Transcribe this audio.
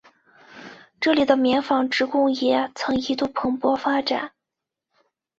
这里的棉纺织工业曾一度蓬勃发展。